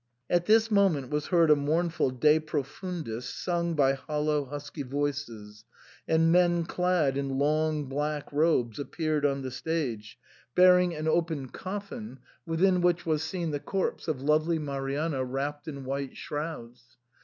At this moment was heard a mournful De profundis sung by hollow, husky voices, and men clad in long black robes appeared on the stage, bearing an open i62 SIGNOR FORMICA. coffin, within which was seen the corpse of lovely Marianna wrapped in white shrouds.